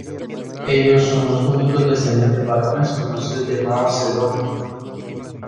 Ellos son los únicos descendientes varones conocidos de Mao Zedong.